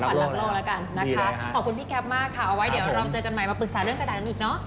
ขอบคุณพี่แก๊บมากค่ะเอาไว้เดี๋ยวเรามาเจอกันใหม่มาปรึกษาเรื่องกระดานอีกเนาะ